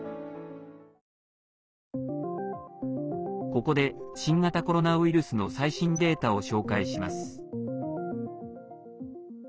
ここで新型コロナウイルスの最新データを紹介します。